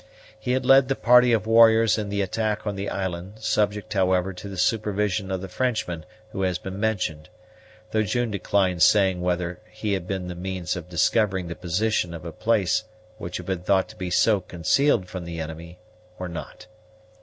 He had led the party of warriors in the attack on the island, subject, however, to the supervision of the Frenchman who has been mentioned, though June declined saying whether he had been the means of discovering the position of a place which had been thought to be so concealed from the enemy or not.